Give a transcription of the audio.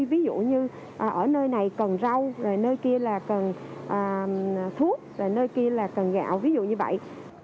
ví dụ như ở nơi này cần rau rồi nơi kia là cần thuốc nơi kia là cần gạo ví dụ như vậy